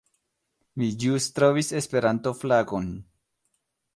Mi ĵus trovis Esperanto-flagon...